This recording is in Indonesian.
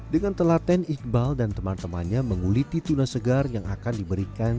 dengan telaten iqbal dan teman temannya menguliti tuna segar yang akan diberikan